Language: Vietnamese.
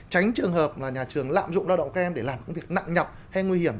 tránh trường hợp là nhà trường lạm dụng lao động các em để làm công việc nặng nhọc hay nguy hiểm